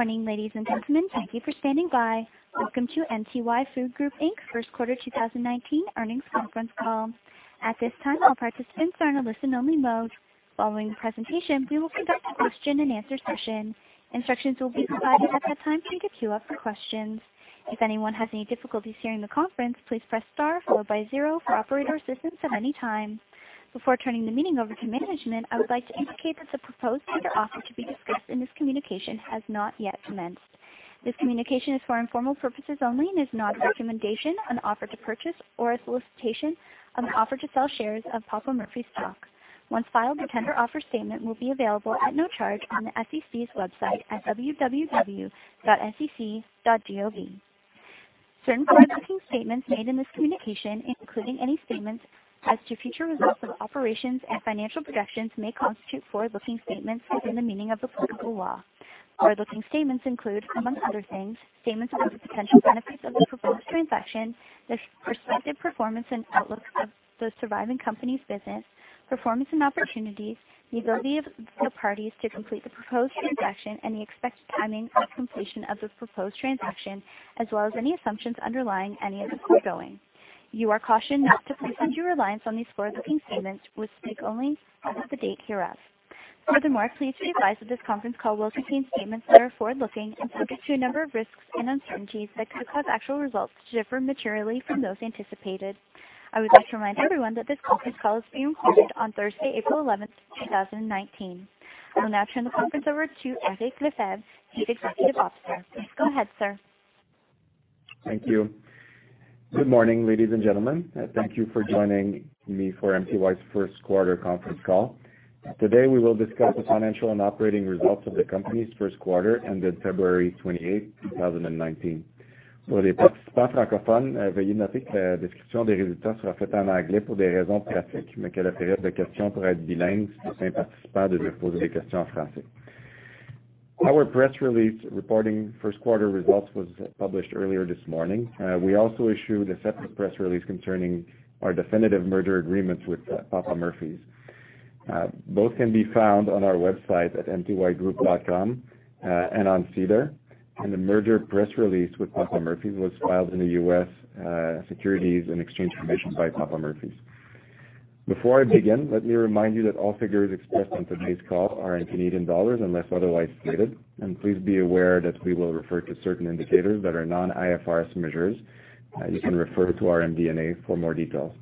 Good morning, ladies and gentlemen. Thank you for standing by. Welcome to MTY Food Group Inc, first quarter 2019 earnings conference call. At this time, all participants are in a listen-only mode. Following the presentation, we will conduct a question-and-answer session. Instructions will be provided at that time to queue up for questions. If anyone has any difficulties hearing the conference, please press star followed by zero for operator assistance at any time. Before turning the meeting over to management, I would like to indicate that the proposed tender offer to be discussed in this communication has not yet commenced. This communication is for informational purposes only and is not a recommendation, an offer to purchase, or a solicitation of an offer to sell shares of Papa Murphy's stock. Once filed, the tender offer statement will be available at no charge on the SEC's website at www.sec.gov. Certain forward-looking statements made in this communication, including any statements as to future results of operations and financial projections, may constitute forward-looking statements within the meaning of applicable law. Forward-looking statements include, amongst other things, statements about the potential benefits of the proposed transaction, the prospective performance and outlook of the surviving company's business, performance and opportunities, the ability of the parties to complete the proposed transaction and the expected timing of completion of the proposed transaction, as well as any assumptions underlying any of the foregoing. You are cautioned not to place undue reliance on these forward-looking statements, which speak only as of the date hereof. Furthermore, please be advised that this conference call will contain statements that are forward-looking and subject to a number of risks and uncertainties that could cause actual results to differ materially from those anticipated. I would like to remind everyone that this conference call is being recorded on Thursday, April 11th, 2019. I will now turn the conference over to Eric Lefebvre, Chief Executive Officer. Please go ahead, sir. Thank you. Good morning, ladies and gentlemen. Thank you for joining me for MTY's first quarter conference call. Today, we will discuss the financial and operating results of the company's first quarter ended February 28th, 2019. Our press release reporting first quarter results was published earlier this morning. We also issued a separate press release concerning our definitive merger agreements with Papa Murphy's. Both can be found on our website at mtygroup.com, and on SEDAR, and the merger press release with Papa Murphy's was filed in the U.S. Securities and Exchange Commission by Papa Murphy's. Before I begin, let me remind you that all figures expressed on today's call are in Canadian dollars unless otherwise stated, and please be aware that we will refer to certain indicators that are non-IFRS measures. You can refer to our MD&A for more details.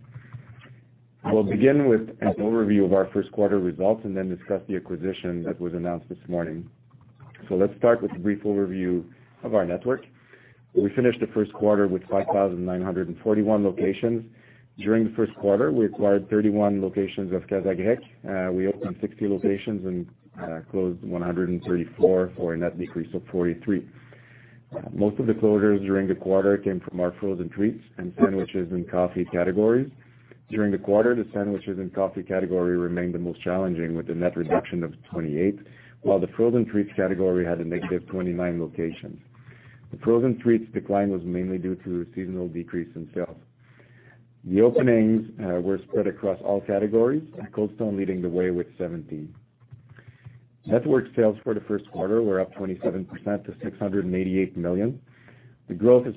We'll begin with an overview of our first quarter results and then discuss the acquisition that was announced this morning. Let's start with a brief overview of our network. We finished the first quarter with 5,941 locations. During the first quarter, we acquired 31 locations of Casa Grecque. We opened 60 locations and closed 134 for a net decrease of 43. Most of the closures during the quarter came from our frozen treats and sandwiches and coffee categories. During the quarter, the sandwiches and coffee category remained the most challenging with a net reduction of 28, while the frozen treats category had a negative 29 locations. The frozen treats decline was mainly due to a seasonal decrease in sales. The openings were spread across all categories, with Cold Stone leading the way with 70. Network sales for the first quarter were up 27% to 688 million. The growth is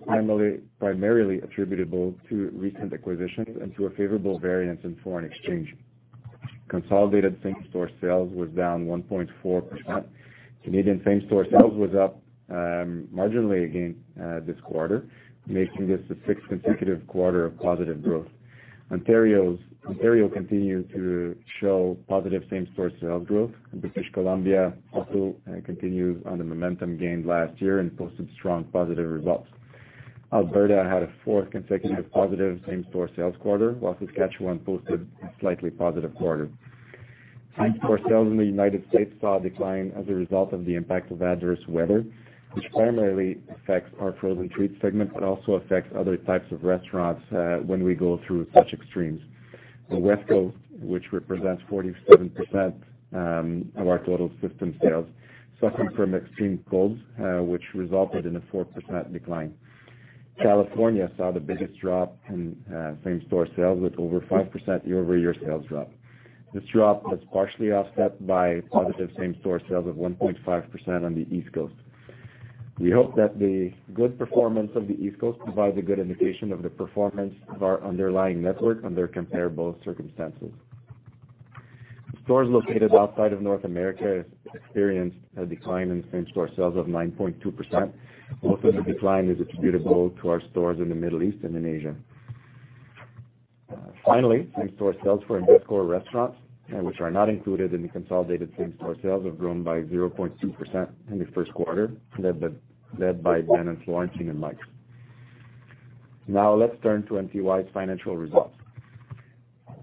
primarily attributable to recent acquisitions and to a favorable variance in foreign exchange. Consolidated same-store sales was down 1.4%. Canadian same-store sales was up marginally again this quarter, making this the sixth consecutive quarter of positive growth. Ontario continued to show positive same-store sales growth, and British Columbia also continued on the momentum gained last year and posted strong positive results. Alberta had a fourth consecutive positive same-store sales quarter, while Saskatchewan posted a slightly positive quarter. Same-store sales in the U.S. saw a decline as a result of the impact of adverse weather, which primarily affects our frozen treats segment, but also affects other types of restaurants when we go through such extremes. The West Coast, which represents 47% of our total system sales, suffered from extreme cold, which resulted in a 4% decline. California saw the biggest drop in same-store sales with over 5% year-over-year sales drop. This drop was partially offset by positive same-store sales of 1.5% on the East Coast. We hope that the good performance of the East Coast provides a good indication of the performance of our underlying network under comparable circumstances. Stores located outside of North America experienced a decline in same-store sales of 9.2%. Most of the decline is attributable to our stores in the Middle East and in Asia. Finally, same-store sales for Imvescor restaurants, which are not included in the consolidated same-store sales, have grown by 0.2% in the first quarter, led by Ben & Florentine and Mikes. Let's turn to MTY's financial results.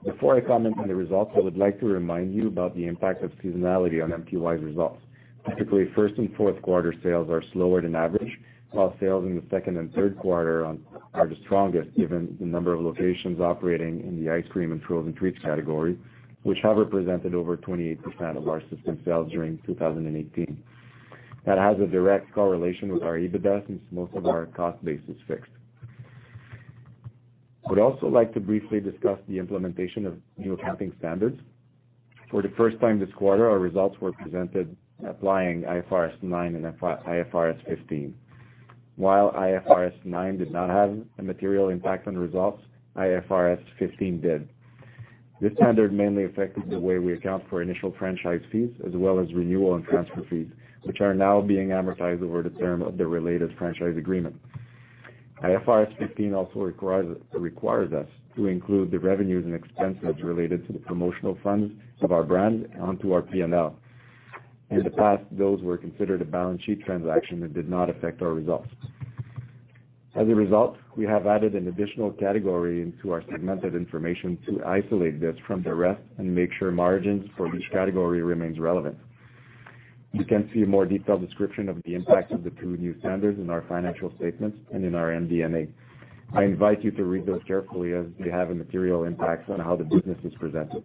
Before I comment on the results, I would like to remind you about the impact of seasonality on MTY's results. Typically, first and fourth quarter sales are slower than average, while sales in the second and third quarter are the strongest given the number of locations operating in the ice cream and frozen treats category, which have represented over 28% of our system sales during 2018. That has a direct correlation with our EBITDA since most of our cost base is fixed. I would also like to briefly discuss the implementation of new accounting standards. For the first time this quarter, our results were presented applying IFRS 9 and IFRS 15. While IFRS 9 did not have a material impact on results, IFRS 15 did. This standard mainly affected the way we account for initial franchise fees as well as renewal and transfer fees, which are now being amortized over the term of the related franchise agreement. IFRS 15 also requires us to include the revenues and expenses related to the promotional funds of our brand onto our P&L. In the past, those were considered a balance sheet transaction that did not affect our results. As a result, we have added an additional category into our segmented information to isolate this from the rest and make sure margins for each category remains relevant. You can see a more detailed description of the impact of the two new standards in our financial statements and in our MD&A. I invite you to read those carefully, as they have a material impact on how the business is presented.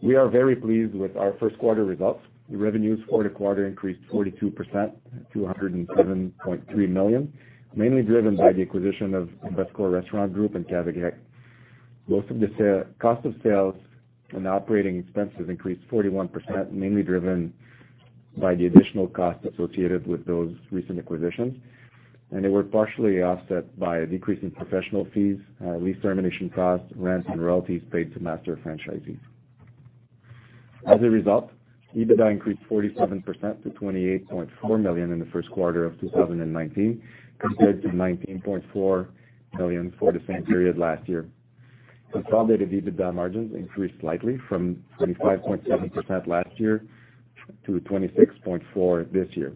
We are very pleased with our first quarter results. Revenues for the quarter increased 42% to 207.3 million, mainly driven by the acquisition of Imvescor Restaurant Group and Cabag Inc. Most of the cost of sales and operating expenses increased 41%, mainly driven by the additional cost associated with those recent acquisitions, they were partially offset by a decrease in professional fees, lease termination costs, rents, and royalties paid to master franchisees. As a result, EBITDA increased 47% to 28.4 million in the first quarter of 2019 compared to 19.4 million for the same period last year. Consolidated EBITDA margins increased slightly from 25.7% last year to 26.4% this year.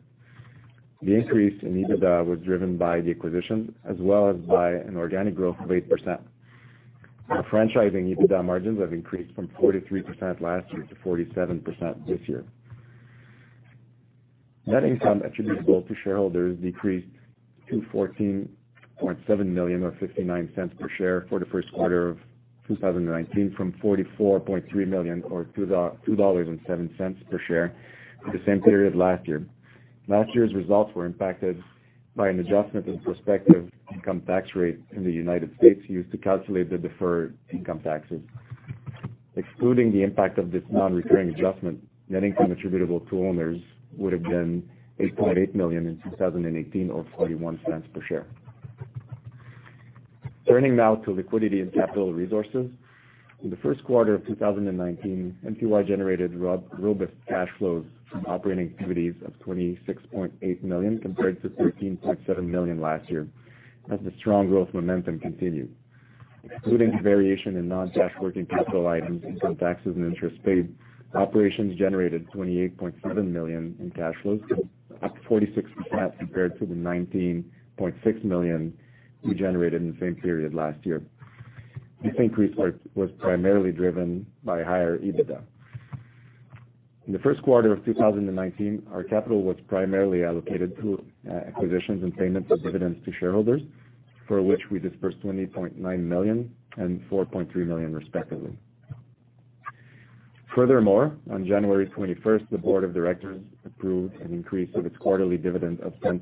The increase in EBITDA was driven by the acquisition as well as by an organic growth of 8%. Our franchising EBITDA margins have increased from 43% last year to 47% this year. Net income attributable to shareholders decreased to 14.7 million or 0.59 per share for the first quarter of 2019 from 44.3 million or 2.07 dollars per share for the same period last year. Last year's results were impacted by an adjustment in prospective income tax rate in the U.S. used to calculate the deferred income taxes. Excluding the impact of this non-recurring adjustment, net income attributable to owners would have been 8.8 million in 2018, or 0.41 per share. Turning now to liquidity and capital resources. In the first quarter of 2019, MTY generated robust cash flows from operating activities of 26.8 million, compared to 13.7 million last year, as the strong growth momentum continued. Excluding variation in non-cash working capital items, income taxes, and interest paid, operations generated 28.7 million in cash flows, up 46% compared to the 19.6 million we generated in the same period last year. This increase was primarily driven by higher EBITDA. In the first quarter of 2019, our capital was primarily allocated to acquisitions and payments of dividends to shareholders, for which we disbursed 20.9 million and 4.3 million respectively. Furthermore, on January 21st, the board of directors approved an increase of its quarterly dividend of 10%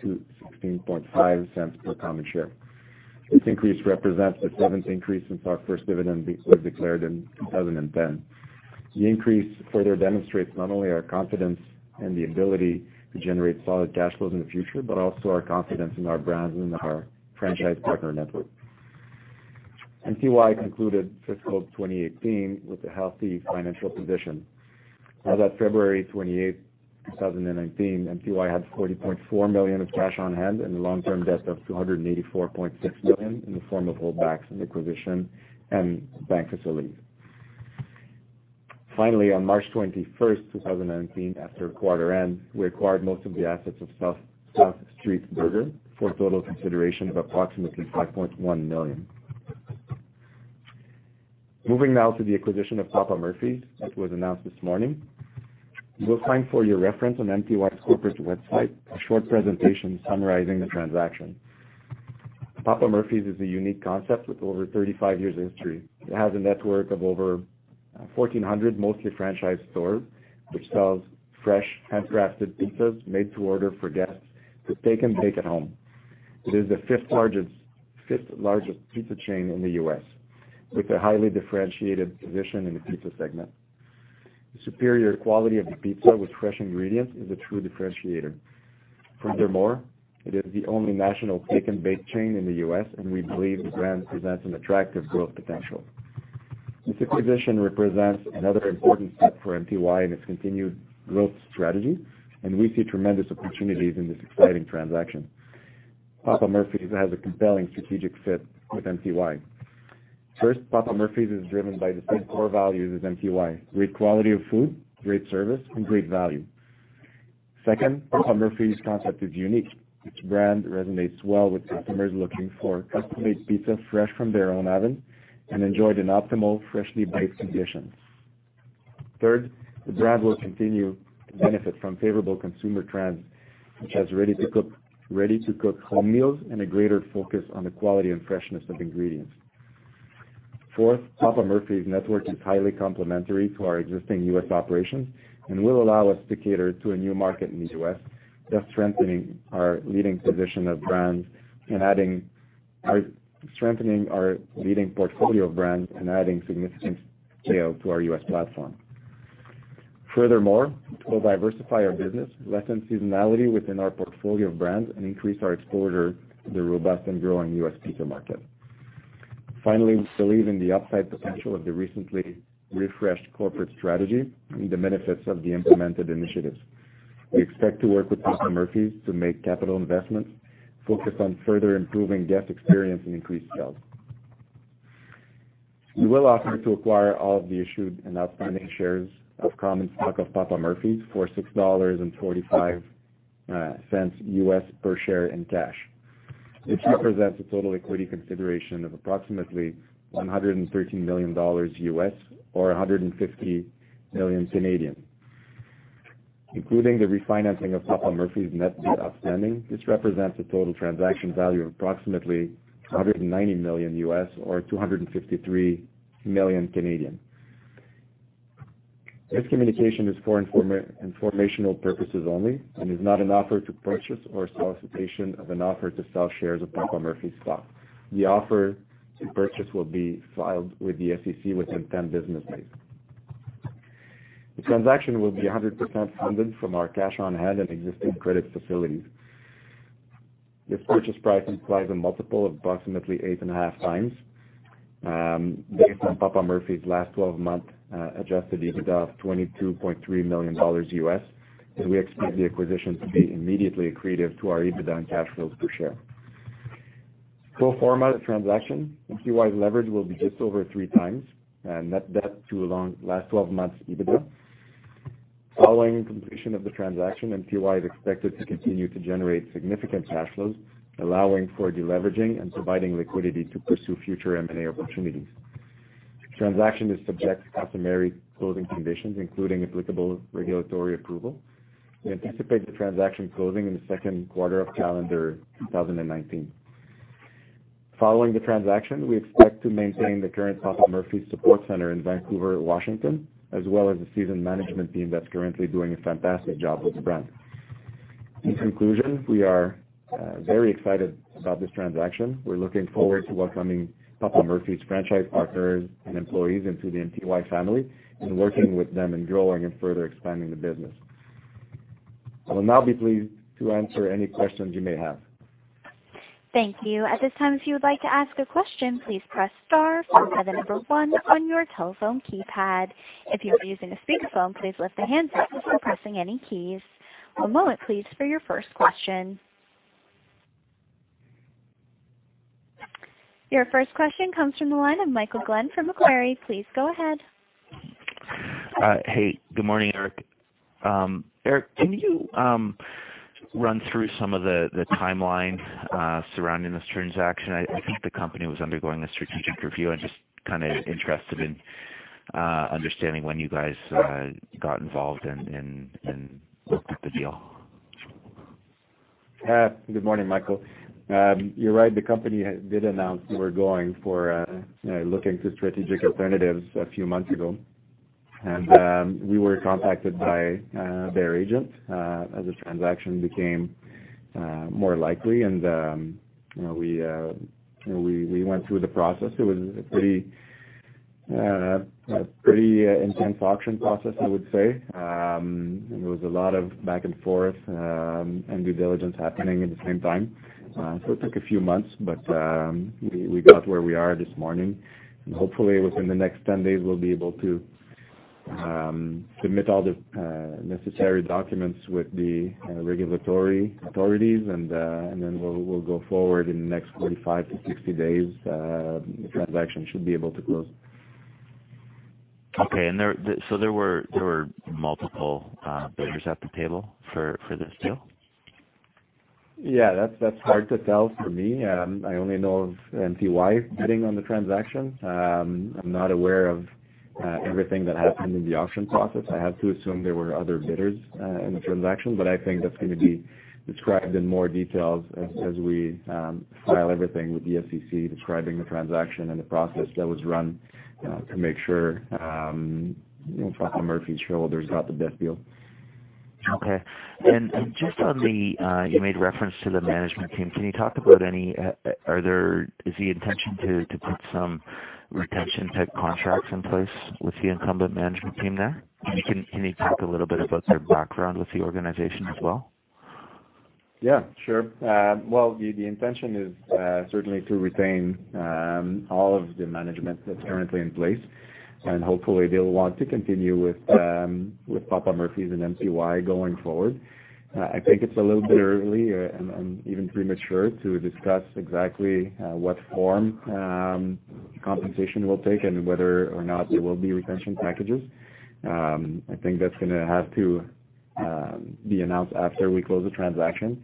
to 0.165 per common share. This increase represents the seventh increase since our first dividend was declared in 2010. The increase further demonstrates not only our confidence in the ability to generate solid cash flows in the future, but also our confidence in our brands and in our franchise partner network. MTY concluded fiscal 2018 with a healthy financial position. As at February 28th, 2019, MTY had 40.4 million of cash on hand and long-term debt of 284.6 million in the form of holdbacks and acquisition and bank facilities. Finally, on March 21st, 2019, after quarter end, we acquired most of the assets of South Street Burger for a total consideration of approximately 5.1 million. Moving now to the acquisition of Papa Murphy's, as was announced this morning. You will find for your reference on MTY's corporate website, a short presentation summarizing the transaction. Papa Murphy's is a unique concept with over 35 years of history. It has a network of over 1,400 mostly franchised stores, which sells fresh, handcrafted pizzas made to order for guests to take and bake at home. It is the fifth-largest pizza chain in the U.S., with a highly differentiated position in the pizza segment. The superior quality of the pizza with fresh ingredients is a true differentiator. Furthermore, it is the only national take and bake chain in the U.S., and we believe the brand presents an attractive growth potential. This acquisition represents another important step for MTY in its continued growth strategy, and we see tremendous opportunities in this exciting transaction. Papa Murphy's has a compelling strategic fit with MTY. First, Papa Murphy's is driven by the same core values as MTY: great quality of food, great service, and great value. Second, Papa Murphy's concept is unique. Its brand resonates well with customers looking for custom-made pizza fresh from their own oven and enjoyed in optimal, freshly baked conditions. Third, the brand will continue to benefit from favorable consumer trends, such as ready-to-cook home meals and a greater focus on the quality and freshness of ingredients. Fourth, Papa Murphy's network is highly complementary to our existing U.S. operations and will allow us to cater to a new market in the U.S., thus strengthening our leading portfolio of brands and adding significant scale to our U.S. platform. Furthermore, we'll diversify our business, lessen seasonality within our portfolio of brands, and increase our exposure to the robust and growing U.S. pizza market. Finally, we believe in the upside potential of the recently refreshed corporate strategy and the benefits of the implemented initiatives. We expect to work with Papa Murphy's to make capital investments, focus on further improving guest experience, and increase sales. We will offer to acquire all of the issued and outstanding shares of common stock of Papa Murphy's for $6.45 per share in cash. This represents a total equity consideration of approximately $113 million, or 150 million Canadian dollars. Including the refinancing of Papa Murphy's net debt outstanding, this represents a total transaction value of approximately $190 million or 253 million. This communication is for informational purposes only and is not an offer to purchase or a solicitation of an offer to sell shares of Papa Murphy's stock. The offer to purchase will be filed with the SEC within 10 business days. The transaction will be 100% funded from our cash on hand and existing credit facilities. This purchase price implies a multiple of approximately 8.5x based on Papa Murphy's last 12-month adjusted EBITDA of $22.3 million, and we expect the acquisition to be immediately accretive to our EBITDA and cash flows per share. Pro forma transaction, MTY's leverage will be just over 3x net debt to last 12 months EBITDA. Following completion of the transaction, MTY is expected to continue to generate significant cash flows, allowing for deleveraging and providing liquidity to pursue future M&A opportunities. The transaction is subject to customary closing conditions, including applicable regulatory approval. We anticipate the transaction closing in the second quarter of calendar 2019. Following the transaction, we expect to maintain the current Papa Murphy's support center in Vancouver, Washington, as well as the seasoned management team that's currently doing a fantastic job with the brand. In conclusion, we are very excited about this transaction. We're looking forward to welcoming Papa Murphy's franchise partners and employees into the MTY family and working with them and growing and further expanding the business. I will now be pleased to answer any questions you may have. Thank you. At this time, if you would like to ask a question, please press star, followed by the number one on your telephone keypad. If you are using a speakerphone, please lift the handset before pressing any keys. One moment, please, for your first question. Your first question comes from the line of Michael Glenn from Macquarie. Please go ahead. Hey, good morning, Eric. Eric, can you run through some of the timeline surrounding this transaction? I think the company was undergoing a strategic review. I'm just kind of interested in understanding when you guys got involved and looked at the deal. Yeah. Good morning, Michael. You're right. The company did announce we're looking to strategic alternatives a few months ago. We were contacted by their agent as this transaction became more likely. We went through the process. It was a pretty intense auction process, I would say. There was a lot of back and forth and due diligence happening at the same time. It took a few months, but we got where we are this morning, and hopefully within the next 10 days, we'll be able to submit all the necessary documents with the regulatory authorities, then we'll go forward in the next 45-60 days. The transaction should be able to close. Okay. There were multiple bidders at the table for this deal? Yeah, that's hard to tell for me. I only know of MTY bidding on the transaction. I'm not aware of everything that happened in the auction process. I have to assume there were other bidders in the transaction, but I think that's going to be described in more details as we file everything with the SEC describing the transaction and the process that was run to make sure Papa Murphy's shareholders got the best deal. Okay. Just on the. You made reference to the management team. Can you talk about, is the intention to put some retention-type contracts in place with the incumbent management team there? Can you talk a little bit about their background with the organization as well? The intention is certainly to retain all of the management that's currently in place, and hopefully they'll want to continue with Papa Murphy's and MTY going forward. I think it's a little bit early and even premature to discuss exactly what form compensation will take and whether or not there will be retention packages. I think that's going to have to be announced after we close the transaction.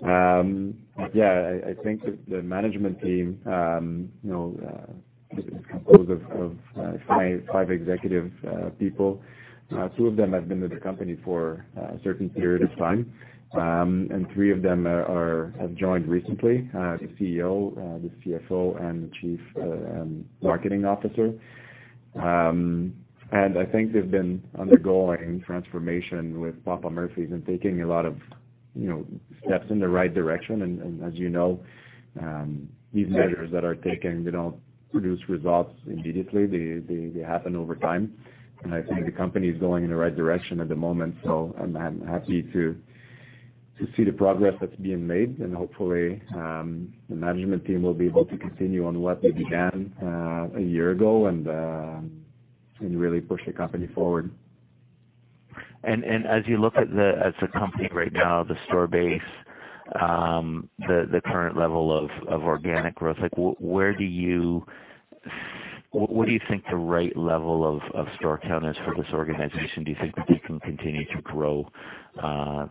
The management team is composed of five executive people. Two of them have been with the company for a certain period of time, and three of them have joined recently, the CEO, the CFO, and the Chief Marketing Officer. I think they've been undergoing transformation with Papa Murphy's and taking a lot of steps in the right direction. As you know, these measures that are taken, they don't produce results immediately. They happen over time. I think the company is going in the right direction at the moment. I'm happy to see the progress that's being made and hopefully, the management team will be able to continue on what they began a year ago and really push the company forward. As you look at the company right now, the store base, the current level of organic growth, what do you think the right level of store count is for this organization? Do you think that they can continue to grow the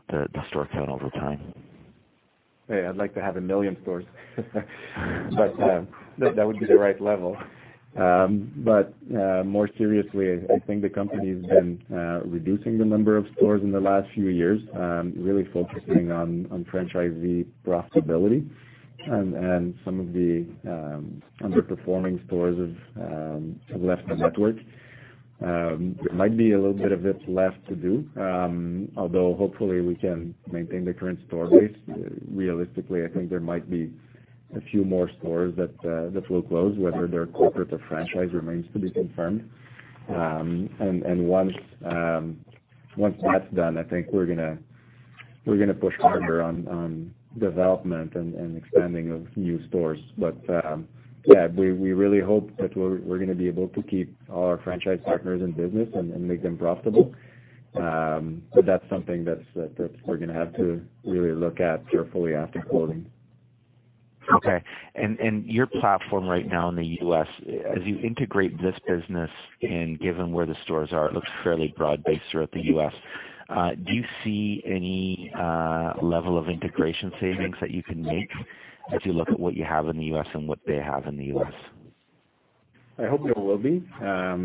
store count over time? I'd like to have a million stores. That would be the right level. More seriously, I think the company's been reducing the number of stores in the last few years, really focusing on franchisee profitability. Some of the underperforming stores have left the network. There might be a little bit of it left to do, although hopefully we can maintain the current store base. Realistically, I think there might be a few more stores that will close, whether they're corporate or franchise remains to be confirmed. Once that's done, I think we're going to push harder on development and expanding of new stores. We really hope that we're going to be able to keep all our franchise partners in business and make them profitable. That's something that we're going to have to really look at carefully after closing. Okay. Your platform right now in the U.S., as you integrate this business and given where the stores are, it looks fairly broad-based throughout the U.S. Do you see any level of integration savings that you can make as you look at what you have in the U.S. and what they have in the U.S.? I hope there will be. I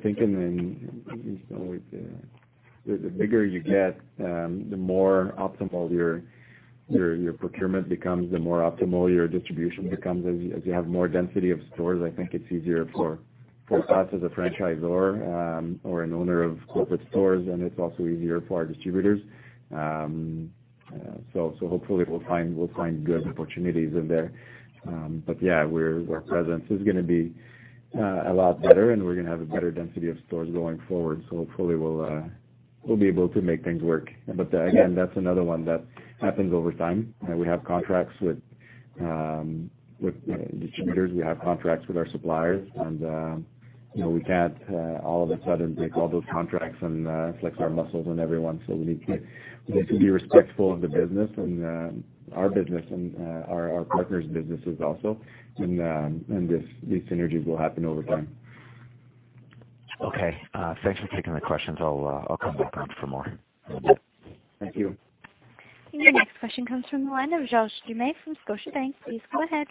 think, the bigger you get, the more optimal your procurement becomes, the more optimal your distribution becomes as you have more density of stores. I think it's easier for us as a franchisor, or an owner of corporate stores, and it's also easier for our distributors. Hopefully we'll find good opportunities in there. Yeah, our presence is going to be a lot better, and we're going to have a better density of stores going forward. Hopefully we'll be able to make things work. Again, that's another one that happens over time. We have contracts with distributors, we have contracts with our suppliers, and we can't all of a sudden break all those contracts and flex our muscles on everyone. We need to be respectful of the business and our business and our partners' businesses also. These synergies will happen over time. Okay. Thanks for taking the questions. I'll come back around for more. Thank you. Your next question comes from the line of George Doumet from Scotiabank. Please go ahead.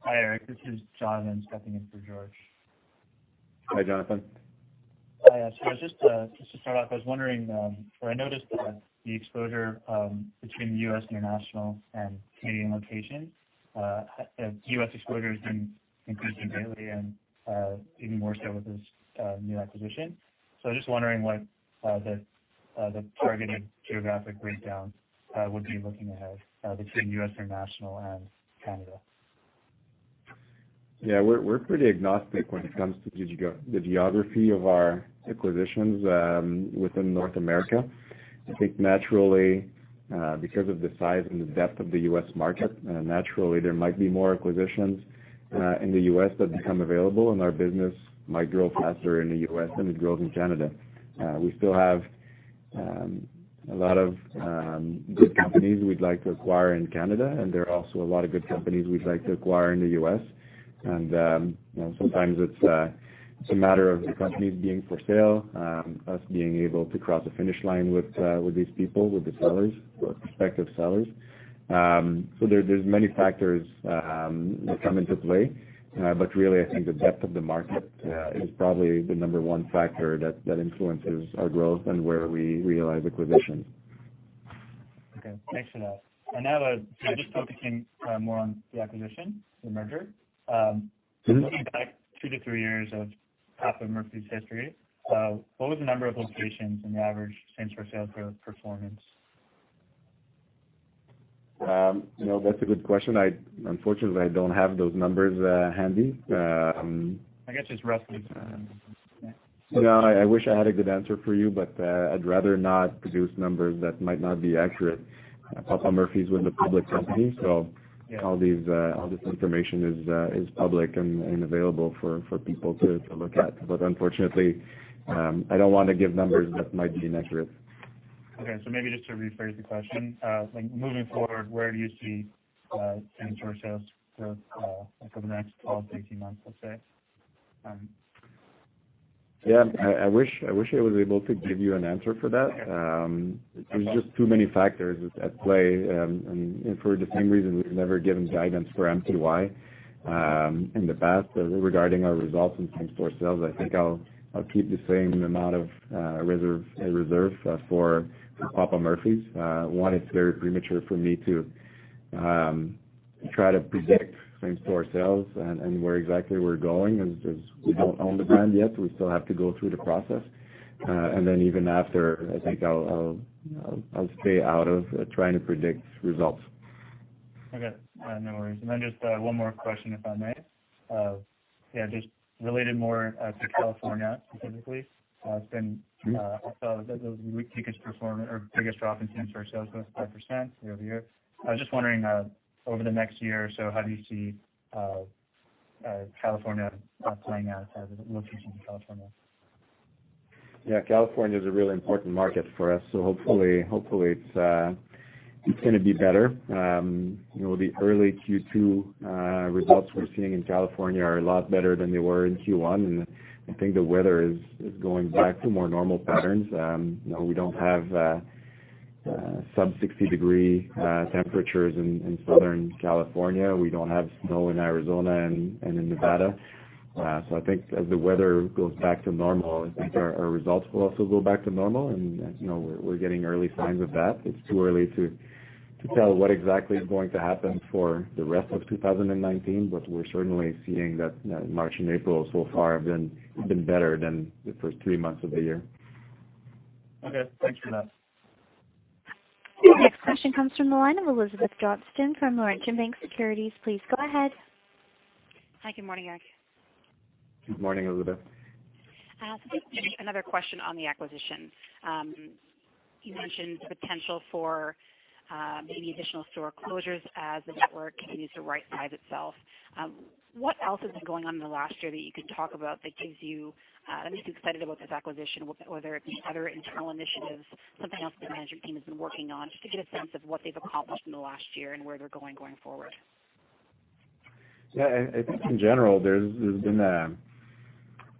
Hi, Eric. This is Jonathan stepping in for George. Hi, Jonathan. Just to start off, I was wondering, I noticed that the exposure between U.S. international and Canadian locations, U.S. exposure has been increasing lately and even more so with this new acquisition. I was just wondering what the targeted geographic breakdown would be looking ahead between U.S. international and Canada. We're pretty agnostic when it comes to the geography of our acquisitions within North America. I think naturally, because of the size and the depth of the U.S. market, naturally there might be more acquisitions in the U.S. that become available and our business might grow faster in the U.S. than it grows in Canada. We still have a lot of good companies we'd like to acquire in Canada, and there are also a lot of good companies we'd like to acquire in the U.S. Sometimes it's a matter of the companies being for sale, us being able to cross the finish line with these people, with the sellers, or prospective sellers. There's many factors that come into play. Really, I think the depth of the market is probably the number one factor that influences our growth and where we realize acquisitions. Okay, thanks for that. Now, just focusing more on the acquisition, the merger. Looking back two to three years of Papa Murphy's history, what was the number of locations and the average same-store sales growth performance? That's a good question. Unfortunately, I don't have those numbers handy. I guess just roughly. I wish I had a good answer for you. I'd rather not produce numbers that might not be accurate. Papa Murphy's was a public company, all this information is public and available for people to look at. Unfortunately, I don't want to give numbers that might be inaccurate. Okay, maybe just to rephrase the question, like moving forward, where do you see same-store sales growth for the next 12-18 months, let's say? Yeah, I wish I was able to give you an answer for that. There's just too many factors at play, for the same reason we've never given guidance for MTY in the past regarding our results in same-store sales. I think I'll keep the same amount of reserve for Papa Murphy's. One, it's very premature for me to try to predict things for ourselves and where exactly we're going, as we don't own the brand yet, so we still have to go through the process. Even after, I think I'll stay out of trying to predict results. Okay. No worries. Just one more question, if I may. Just related more to California, specifically. I saw the weakest performer or biggest drop in same-store sales was 5% year-over-year. I was just wondering, over the next year or so, how do you see California playing out, the location in California? Yeah, California is a really important market for us. Hopefully it's going to be better. The early Q2 results we're seeing in California are a lot better than they were in Q1, I think the weather is going back to more normal patterns. We don't have sub 60-degree temperatures in Southern California. We don't have snow in Arizona and in Nevada. I think as the weather goes back to normal, I think our results will also go back to normal, and we're getting early signs of that. It's too early to tell what exactly is going to happen for the rest of 2019, but we're certainly seeing that March and April so far have been better than the first three months of the year. Okay. Thanks for that. The next question comes from the line of Elizabeth Johnston from Laurentian Bank Securities. Please go ahead. Hi, good morning, Eric. Good morning, Elizabeth. Just maybe another question on the acquisition. You mentioned the potential for maybe additional store closures as the network continues to right-size itself. What else has been going on in the last year that you can talk about that makes you excited about this acquisition, whether it be other internal initiatives, something else the management team has been working on, just to get a sense of what they've accomplished in the last year and where they're going forward? Yeah, I think in general, there's been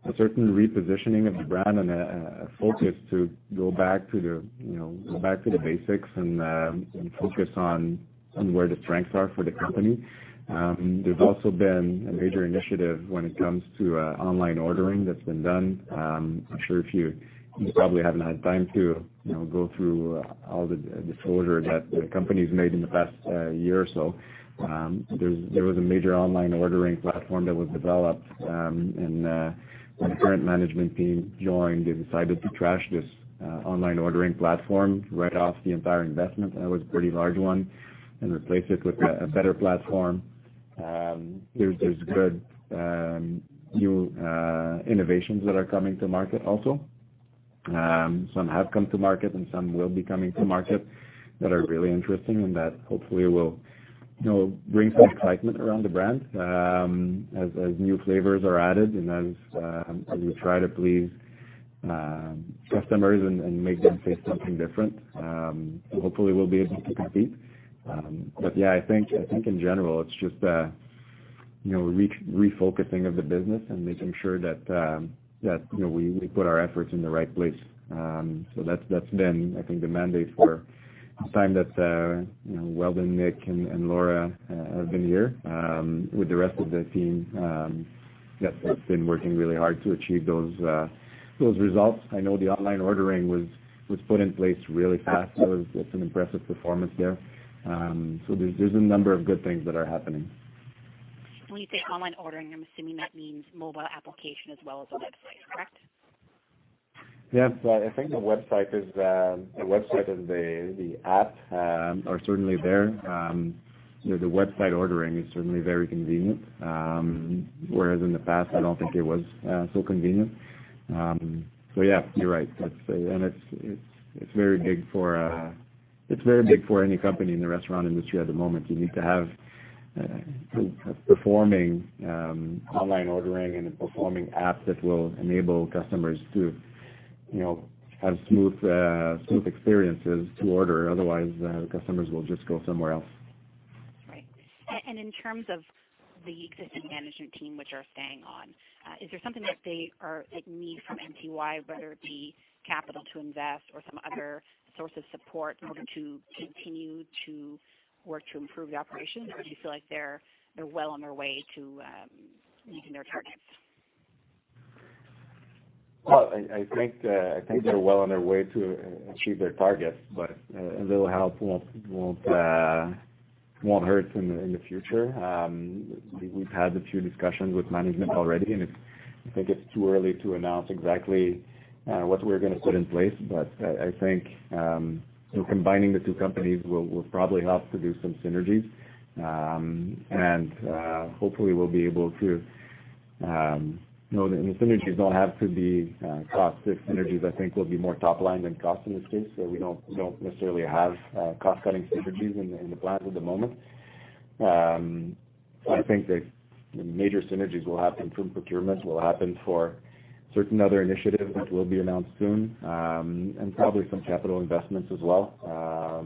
a certain repositioning of the brand and a focus to go back to the basics and focus on where the strengths are for the company. There's also been a major initiative when it comes to online ordering that's been done. I'm sure you probably haven't had time to go through all the disclosures that the company's made in the past year or so. There was a major online ordering platform that was developed, and when the current management team joined, they decided to trash this online ordering platform, write off the entire investment, that was a pretty large one, and replace it with a better platform. There's good new innovations that are coming to market also. Hopefully we'll be able to compete. Yeah, I think in general, it's just a refocusing of the business and making sure that we put our efforts in the right place. That's been, I think, the mandate for the time that Weldon, Nik, and Laura have been here with the rest of the team that's been working really hard to achieve those results. I know the online ordering was put in place really fast. That's an impressive performance there. There's a number of good things that are happening. When you say online ordering, I'm assuming that means mobile application as well as a website, correct? Yes. I think the website and the app are certainly there. The website ordering is certainly very convenient. Whereas in the past, I don't think it was so convenient. Yeah, you're right. It's very big for any company in the restaurant industry at the moment. You need to have performing online ordering and a performing app that will enable customers to have smooth experiences to order, otherwise, the customers will just go somewhere else. Right. In terms of the existing management team, which are staying on, is there something that they need from MTY, whether it be capital to invest or some other source of support in order to continue to work to improve the operations? Or do you feel like they're well on their way to meeting their targets? Well, I think they're well on their way to achieve their targets. A little help won't hurt in the future. We've had a few discussions with management already. I think it's too early to announce exactly what we're going to put in place. I think combining the two companies will probably help to do some synergies, and hopefully we'll be able to. The synergies don't have to be cost synergies. I think it will be more top line than cost in this case. We don't necessarily have cost-cutting synergies in the plans at the moment. I think the major synergies will happen from procurements, will happen for certain other initiatives which will be announced soon, and probably some capital investments as well.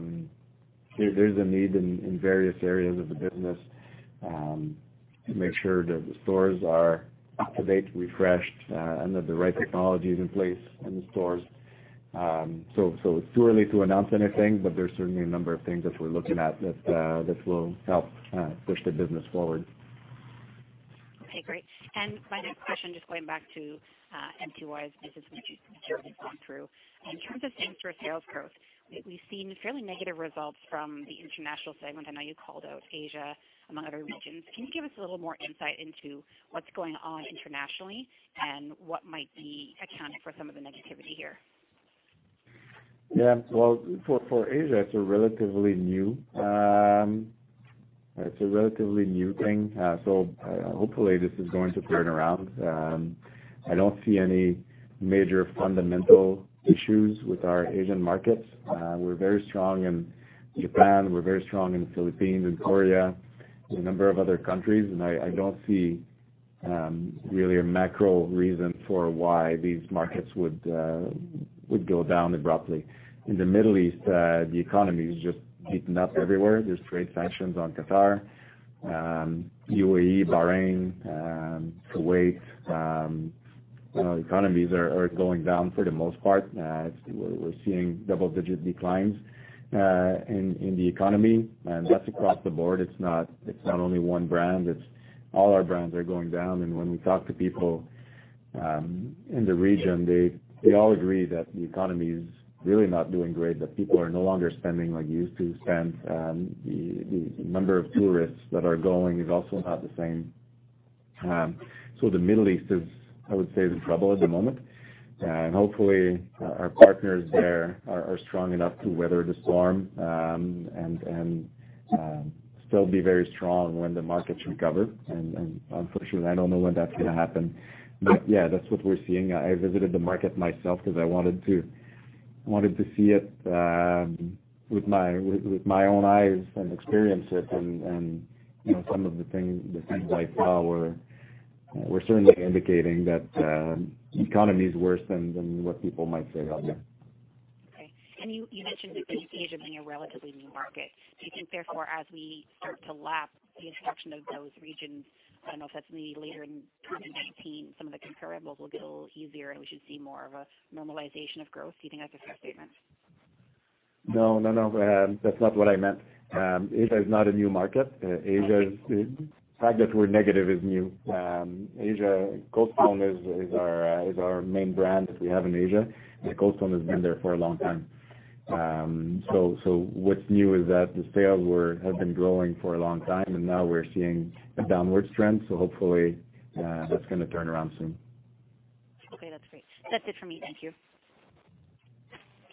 There's a need in various areas of the business to make sure that the stores are up-to-date, refreshed, and that the right technology is in place in the stores. It's too early to announce anything, but there's certainly a number of things that we're looking at that will help push the business forward. Okay, great. My next question, just going back to MTY's business, which you've certainly gone through. In terms of same-store sales growth, we've seen fairly negative results from the international segment. I know you called out Asia among other regions. Can you give us a little more insight into what's going on internationally, and what might be accounting for some of the negativity here? Yeah. Well, for Asia, it's a relatively new thing. Hopefully, this is going to turn around. I don't see any major fundamental issues with our Asian markets. We're very strong in Japan, we're very strong in Philippines, in Korea, a number of other countries. I don't see really a macro reason for why these markets would go down abruptly. In the Middle East, the economy is just beaten up everywhere. There's trade sanctions on Qatar, UAE, Bahrain, Kuwait. Economies are going down for the most part. We're seeing double-digit declines in the economy, that's across the board. It's not only one brand. It's all our brands are going down. When we talk to people in the region, they all agree that the economy is really not doing great, that people are no longer spending like they used to spend. The number of tourists that are going is also not the same. The Middle East is, I would say, is in trouble at the moment, and hopefully, our partners there are strong enough to weather the storm, and still be very strong when the markets recover. Unfortunately, I don't know when that's going to happen. Yeah, that's what we're seeing. I visited the market myself because I wanted to see it with my own eyes and experience it. Some of the things I saw were certainly indicating that the economy is worse than what people might say out there. Okay. You mentioned Asia being a relatively new market. Do you think, therefore, as we start to lap the instruction of those regions, I don't know if that's maybe later in 2019, some of the comparables will get a little easier and we should see more of a normalization of growth. Do you think that's a fair statement? No, that's not what I meant. Asia is not a new market. Okay. Asia, the fact that we're negative is new. Cold Stone is our main brand that we have in Asia, and Cold Stone has been there for a long time. What's new is that the sales have been growing for a long time, and now we're seeing a downward trend. Hopefully, that's going to turn around soon. Okay, that's great. That's it for me. Thank you.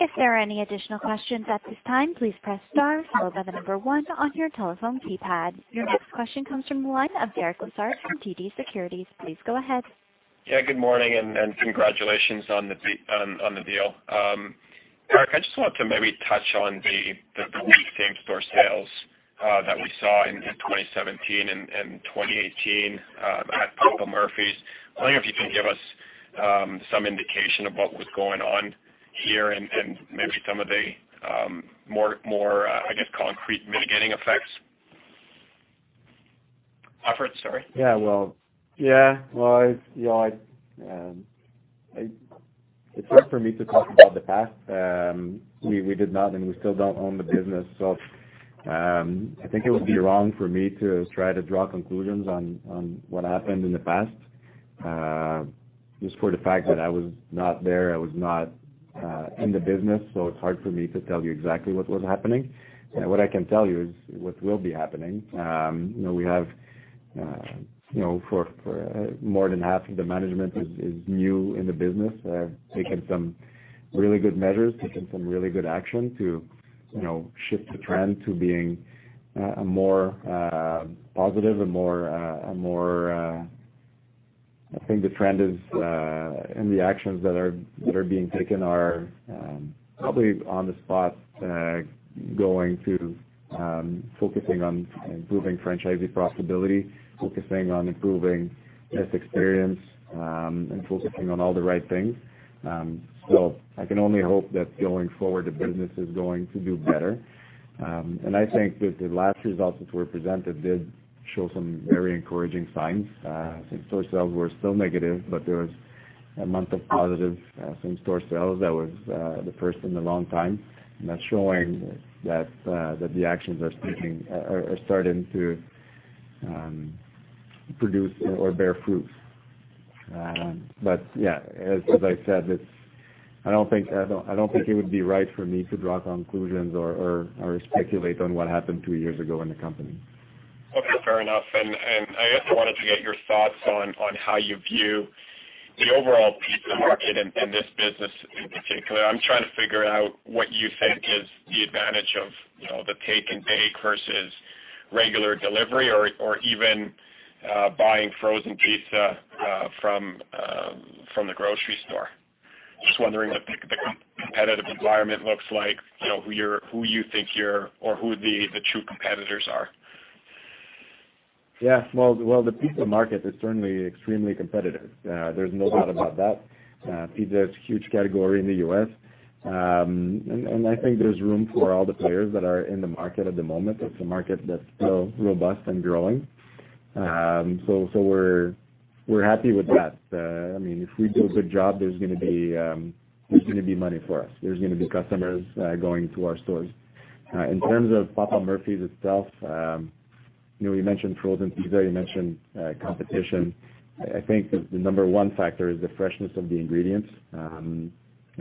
If there are any additional questions at this time, please press star followed by the number one on your telephone keypad. Your next question comes from the line of Derek Lessard from TD Securities. Please go ahead. Good morning, and congratulations on the deal. Eric, I just want to maybe touch on the weak same-store sales that we saw in 2017 and 2018 at Papa Murphy's. I'm wondering if you can give us some indication of what was going on here and maybe some of the more, I guess, concrete mitigating effects. Well, it's hard for me to talk about the past. We did not, and we still don't own the business, I think it would be wrong for me to try to draw conclusions on what happened in the past, just for the fact that I was not there, I was not in the business, it's hard for me to tell you exactly what was happening. What I can tell you is what will be happening. More than half of the management is new in the business. They have taken some really good measures, taken some really good action to shift the trend to being more positive. I think the trend is, and the actions that are being taken are probably on the spot, going to focusing on improving franchisee profitability, focusing on improving guest experience, and focusing on all the right things. I can only hope that going forward, the business is going to do better. I think that the last results which were presented did show some very encouraging signs. Same-store sales were still negative, but there was a month of positive same-store sales. That was the first in a long time, and that's showing that the actions are starting to produce or bear fruit. As I said, I don't think it would be right for me to draw conclusions or speculate on what happened two years ago in the company. Okay, fair enough. I also wanted to get your thoughts on how you view the overall pizza market and this business in particular. I'm trying to figure out what you think is the advantage of the take and bake versus regular delivery or even buying frozen pizza from the grocery store. Just wondering what the competitive environment looks like, or who the true competitors are. Well, the pizza market is certainly extremely competitive. There's no doubt about that. Pizza is a huge category in the U.S., I think there's room for all the players that are in the market at the moment. It's a market that's still robust and growing. We're happy with that. If we do a good job, there's going to be money for us. There's going to be customers going to our stores. In terms of Papa Murphy's itself, we mentioned frozen pizza, you mentioned competition. I think the number one factor is the freshness of the ingredients.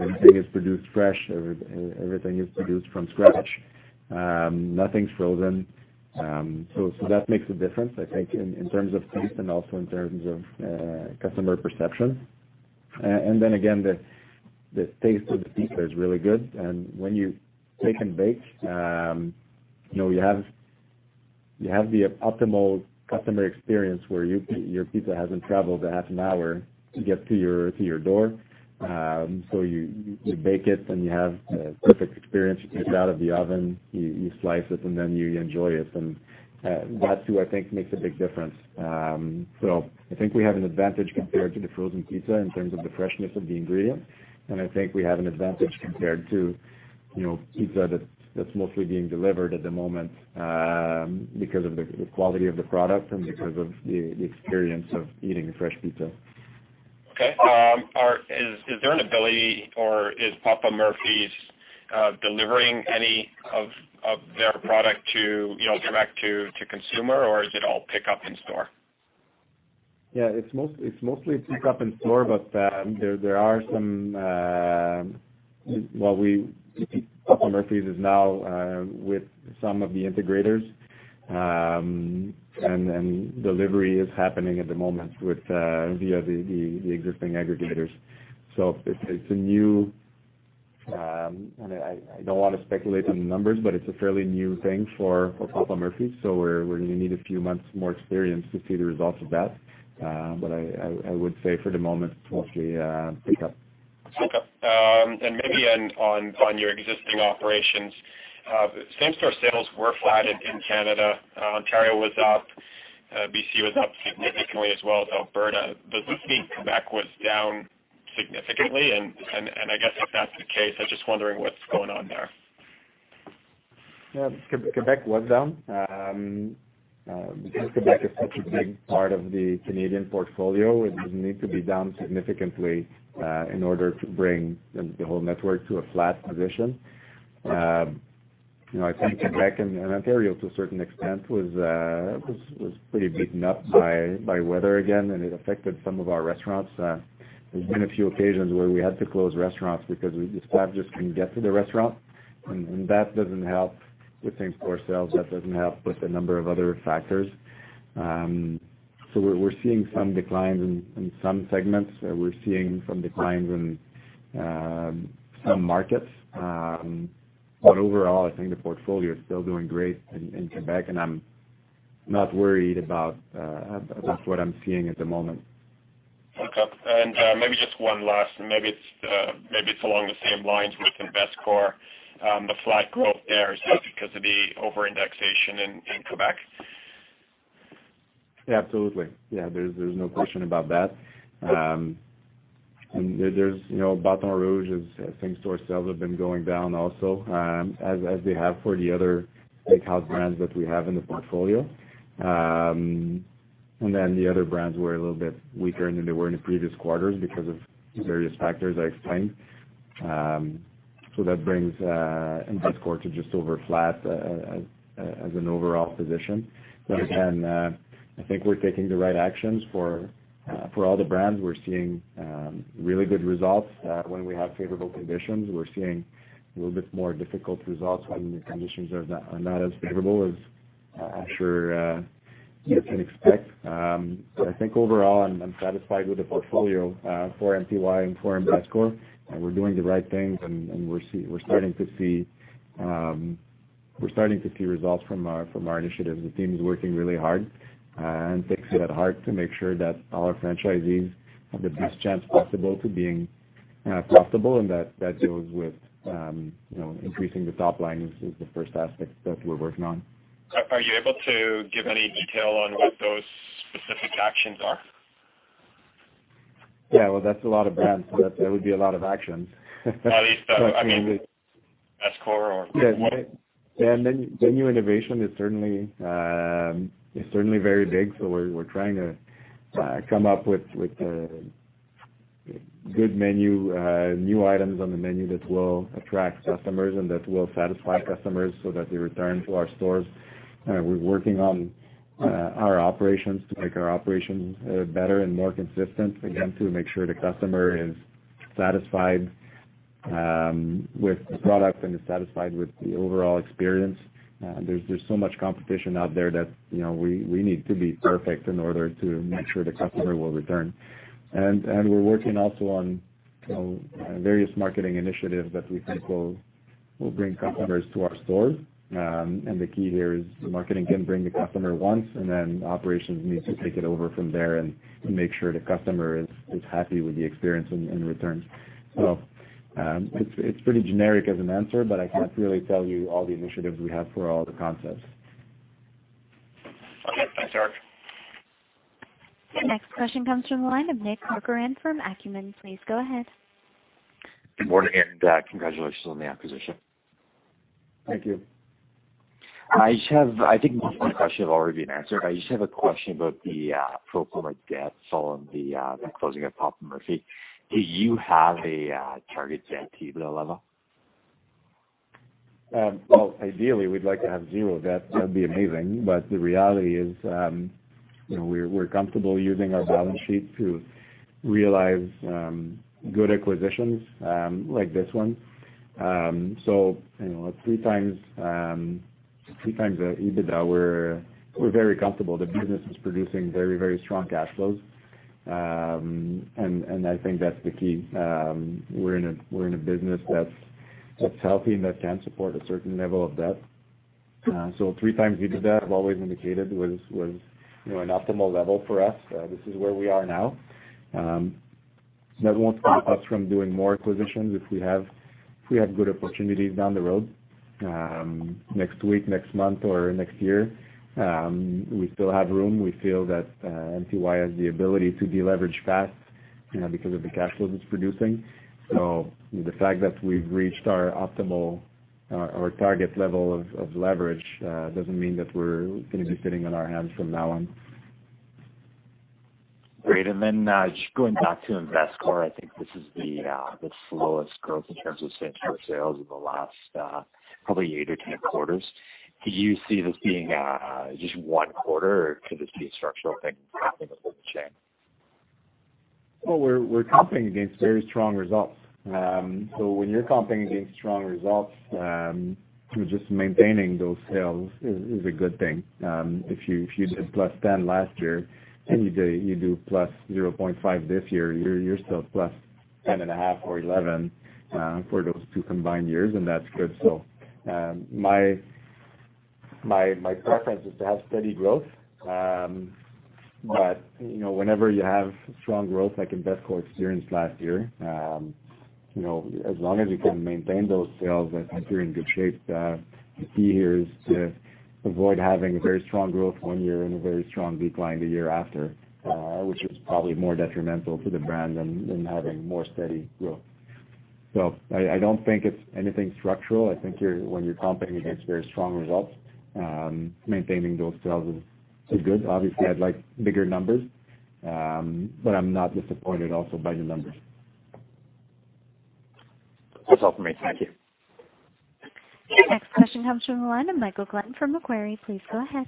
Everything is produced fresh. Everything is produced from scratch. Nothing's frozen. That makes a difference, I think, in terms of taste and also in terms of customer perception. Then again, the taste of the pizza is really good. When you take and bake, you have the optimal customer experience where your pizza hasn't traveled a half an hour to get to your door. You bake it, and you have a perfect experience. You take it out of the oven, you slice it, and then you enjoy it. That, too, I think, makes a big difference. I think we have an advantage compared to the frozen pizza in terms of the freshness of the ingredients. I think we have an advantage compared to pizza that's mostly being delivered at the moment because of the quality of the product and because of the experience of eating fresh pizza. Okay. Is there an ability or is Papa Murphy's delivering any of their product direct to consumer, or is it all pickup in store? Yeah, it's mostly pickup in store, but Papa Murphy's is now with some of the integrators, and delivery is happening at the moment via the existing aggregators. It's new, and I don't want to speculate on the numbers, but it's a fairly new thing for Papa Murphy's. We're going to need a few months more experience to see the results of that. I would say for the moment, mostly pickup. Okay. Maybe on your existing operations, same-store sales were flat in Canada. Ontario was up. BC was up significantly as well as Alberta. Does this mean Quebec was down significantly? I guess if that's the case, I'm just wondering what's going on there. Yeah. Quebec was down. Because Quebec is such a big part of the Canadian portfolio, it would need to be down significantly in order to bring the whole network to a flat position. I think Quebec and Ontario, to a certain extent, was pretty beaten up by weather again, and it affected some of our restaurants. There's been a few occasions where we had to close restaurants because the suppliers just couldn't get to the restaurant, and that doesn't help with same-store sales. That doesn't help with a number of other factors. We're seeing some declines in some segments. We're seeing some declines in some markets. Overall, I think the portfolio is still doing great in Quebec, and I'm not worried about what I'm seeing at the moment. Okay. Maybe just one last, and maybe it's along the same lines with Imvescor, the flat growth there. Is that because of the over-indexation in Quebec? Yeah, absolutely. There's no question about that. Bâton Rouge's same-store sales have been going down also, as they have for the other steakhouse brands that we have in the portfolio. The other brands were a little bit weaker than they were in the previous quarters because of various factors I explained. That brings Imvescor to just over flat as an overall position. Okay. I think we're taking the right actions for all the brands. We're seeing really good results when we have favorable conditions. We're seeing a little bit more difficult results when the conditions are not as favorable as I'm sure you can expect. I think overall, I'm satisfied with the portfolio for MTY and for Imvescor, and we're doing the right things, and we're starting to see results from our initiatives. The team is working really hard and takes it at heart to make sure that all our franchisees have the best chance possible to being profitable, and that goes with increasing the top line is the first aspect that we're working on. Are you able to give any detail on what those specific actions are? Yeah. Well, that's a lot of brands, so that would be a lot of actions. At least, I mean, Imvescor. Menu innovation is certainly very big. We're trying to come up with good menu, new items on the menu that will attract customers and that will satisfy customers so that they return to our stores. We're working on our operations to make our operations better and more consistent, again, to make sure the customer is satisfied with the product and is satisfied with the overall experience. There's so much competition out there that we need to be perfect in order to make sure the customer will return. We're working also on various marketing initiatives that we think will bring customers to our stores. The key here is marketing can bring the customer once, and then operations needs to take it over from there and make sure the customer is happy with the experience and returns. It's pretty generic as an answer, but I can't really tell you all the initiatives we have for all the concepts. Okay. Thanks, Eric. The next question comes from the line of Nick Corcoran from Acumen. Please go ahead. Good morning, and congratulations on the acquisition. Thank you. I think this question has already been answered. I just have a question about the pro forma debts on the closing of Papa Murphy's. Do you have a target to optimal level? Ideally, we'd like to have zero debt. That'd be amazing. The reality is, we're comfortable using our balance sheet to realize good acquisitions like this one. At 3x the EBITDA, we're very comfortable. The business is producing very strong cash flows. I think that's the key. We're in a business that's healthy and that can support a certain level of debt. 3x EBITDA, I've always indicated, was an optimal level for us. This is where we are now. That won't stop us from doing more acquisitions if we have good opportunities down the road, next week, next month or next year. We still have room. We feel that MTY has the ability to deleverage fast because of the cash flow it's producing. The fact that we've reached our optimal or target level of leverage doesn't mean that we're going to be sitting on our hands from now on. Great. Just going back to Imvescor, I think this is the slowest growth in terms of same-store sales in the last probably eight or 10 quarters. Do you see this being just one quarter, or could this be a structural thing happening to the whole chain? Well, we're competing against very strong results. When you're competing against strong results, just maintaining those sales is a good thing. If you did +10 last year, and you do +0.5 this year, you're still +10 and a half or 11 for those two combined years, and that's good. My preference is to have steady growth. Whenever you have strong growth like Imvescor experienced last year, as long as you can maintain those sales, I think you're in good shape. The key here is to avoid having a very strong growth one year and a very strong decline the year after, which is probably more detrimental to the brand than having more steady growth. I don't think it's anything structural. I think when you're competing against very strong results, maintaining those sales is good. Obviously, I'd like bigger numbers. I'm not disappointed also by the numbers. That's all for me. Thank you. Your next question comes from the line of Michael Glenn from Macquarie. Please go ahead.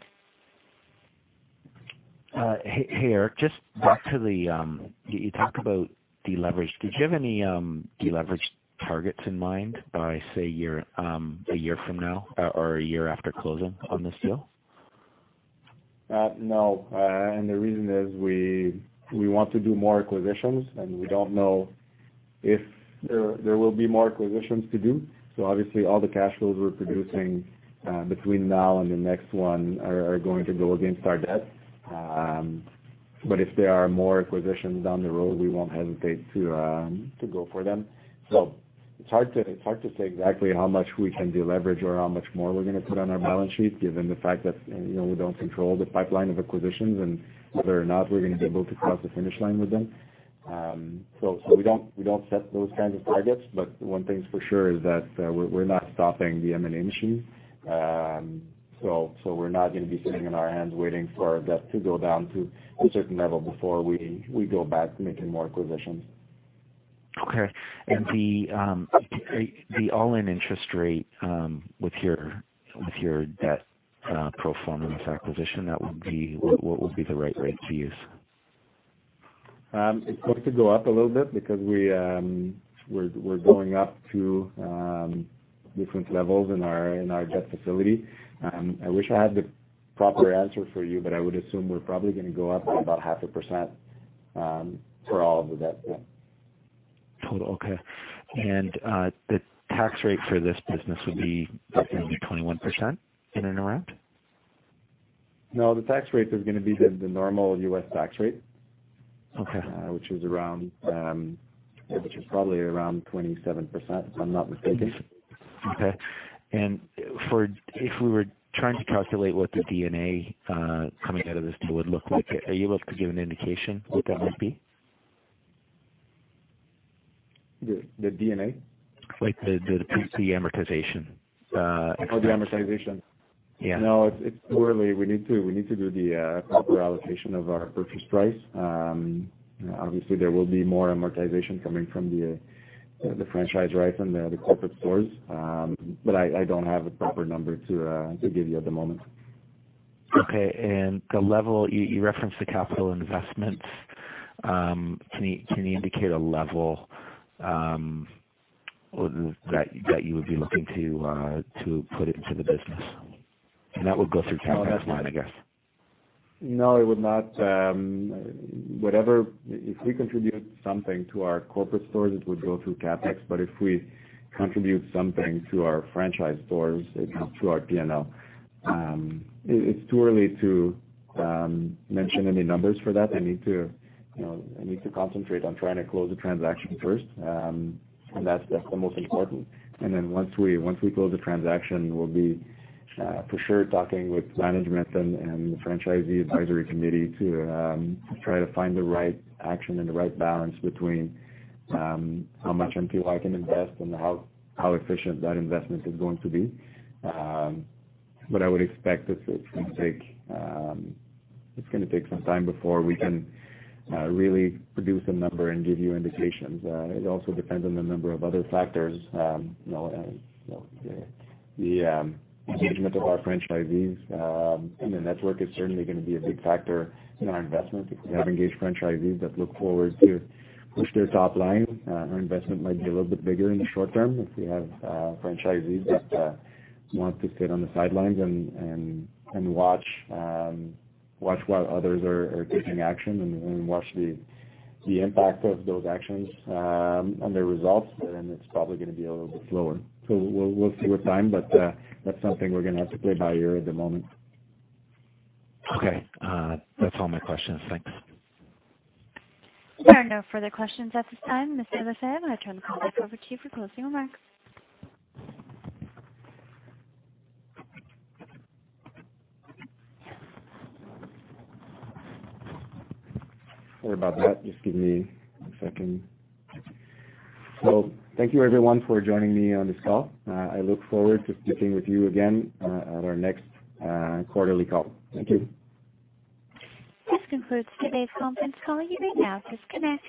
Hey, Eric. You talked about deleverage. Did you have any deleverage targets in mind by, say, a year from now or a year after closing on this deal? No. The reason is we want to do more acquisitions, and we don't know if there will be more acquisitions to do. Obviously, all the cash flows we're producing between now and the next one are going to go against our debt. If there are more acquisitions down the road, we won't hesitate to go for them. It's hard to say exactly how much we can deleverage or how much more we're going to put on our balance sheet, given the fact that we don't control the pipeline of acquisitions and whether or not we're going to be able to cross the finish line with them. We don't set those kinds of targets, but one thing's for sure is that we're not stopping the M&A machine. We're not going to be sitting on our hands waiting for our debt to go down to a certain level before we go back making more acquisitions. Okay. The all-in interest rate with your debt pro forma in this acquisition, what would be the right rate to use? It's going to go up a little bit because we're going up to different levels in our debt facility. I wish I had the proper answer for you, but I would assume we're probably going to go up by about 0.5% For all of the debt. Yeah. Total, okay. The tax rate for this business would be roughly 21% in and around? No, the tax rate is going to be the normal U.S. tax rate. Okay. Which is probably around 27%, if I'm not mistaken. Okay. If we were trying to calculate what the D&A coming out of this deal would look like, are you able to give an indication what that might be? The D&A? Like the pre-amortization expense. Oh, the amortization. Yeah. It's early. We need to do the proper allocation of our purchase price. Obviously, there will be more amortization coming from the franchise rights and the corporate stores. I don't have a proper number to give you at the moment. Okay. The level, you referenced the capital investments. Can you indicate a level that you would be looking to put into the business? That would go through CapEx fund, I guess. It would not. If we contribute something to our corporate stores, it would go through CapEx, but if we contribute something to our franchise stores, it comes through our P&L. It's too early to mention any numbers for that. I need to concentrate on trying to close the transaction first. That's the most important. Then once we close the transaction, we'll be for sure talking with management and the Franchisee Advisory Committee to try to find the right action and the right balance between how much MTY can invest and how efficient that investment is going to be. I would expect it's going to take some time before we can really produce a number and give you indications. It also depends on a number of other factors. The engagement of our franchisees in the network is certainly going to be a big factor in our investment. If we have engaged franchisees that look forward to push their top line, our investment might be a little bit bigger in the short-term. If we have franchisees that want to sit on the sidelines and watch while others are taking action and watch the impact of those actions on their results, then it's probably going to be a little bit slower. We'll see with time, but that's something we're going to have to play by ear at the moment. Okay. That's all my questions. Thanks. There are no further questions at this time. Mr. Lefebvre, I turn the call back over to you for closing remarks. Sorry about that. Just give me a second. Thank you everyone for joining me on this call. I look forward to speaking with you again at our next quarterly call. Thank you. This concludes today's conference call. You may now disconnect.